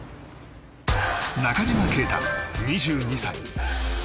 中島啓太、２２歳。